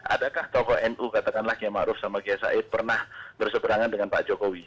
adakah toko nu katakanlah giamaruf sama gia said pernah berseberangan dengan pak jokowi